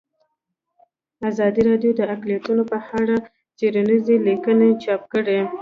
ازادي راډیو د اقلیتونه په اړه څېړنیزې لیکنې چاپ کړي.